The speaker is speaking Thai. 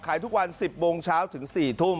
ทุกวัน๑๐โมงเช้าถึง๔ทุ่ม